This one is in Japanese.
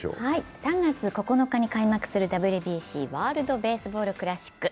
３月９日に開幕するＷＢＣ＝ワールドベースボールクラシック。